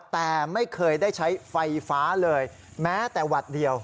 แต่ไม่เคยได้ใช้ไฟฟ้าเลยแม้แต่หวัดเดียว